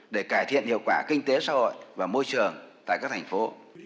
để cải thiện hiệu quả kinh tế xã hội và môi trường tại các thành phố